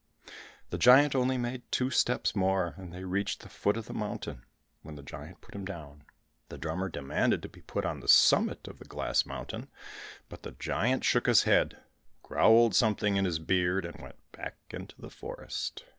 The giant only made two steps more, and they reached the foot of the mountain, where the giant put him down. The drummer demanded to be put on the summit of the glass mountain, but the giant shook his head, growled something in his beard, and went back into the forest.